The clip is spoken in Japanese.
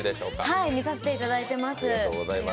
はい、見させていただいています。